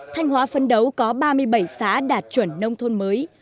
thanh hóa phấn đấu có ba mươi bảy xã đạt chuẩn nông thôn mới